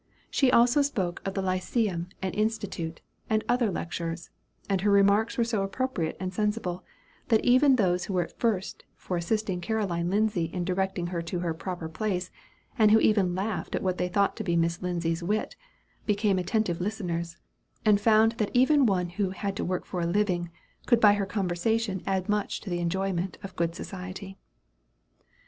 She also spoke of the Lyceum and Institute, and other lectures; and her remarks were so appropriate and sensible, that even those who were at first for assisting Caroline Lindsay in directing her to her "proper place," and who even laughed at what they thought to be Miss Lindsay's wit, became attentive listeners, and found that even one who "had to work for a living" could by her conversation add much to the enjoyment of "good society."